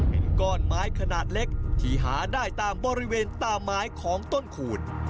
เป็นก้อนไม้ขนาดเล็กที่หาได้ตามบริเวณตามไม้ของต้นขูด